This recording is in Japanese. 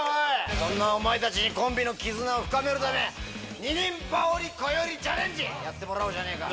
そんなお前たちにコンビの絆を深めるため二人羽織こよりチャレンジやってもらおうじゃねえか。